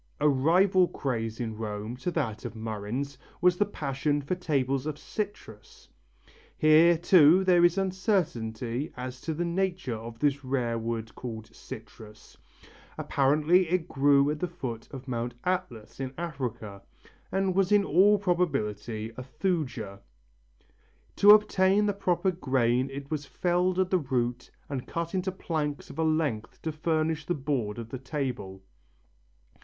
A rival craze in Rome to that of murrhines was the passion for tables of citrus. Here too there is uncertainty as to the nature of this rare wood called citrus. Apparently it grew at the foot of Mount Atlas in Africa, and was in all probability a thuja. To obtain the proper grain it was felled at the root and cut into planks of a length to furnish the board of the table.